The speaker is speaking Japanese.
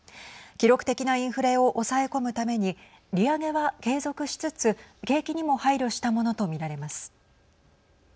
記録的なインフレを抑え込むために利上げは継続しつつ景気にも配慮したものと見られます。